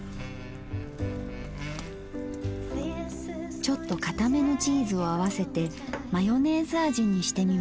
ちょっとかためのチーズを合わせてマヨネーズ味にしてみました。